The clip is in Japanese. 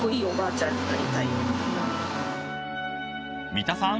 ［三田さん。